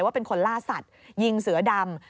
ว่าเป็นคนล่าสัตว์ยิงเสือดำ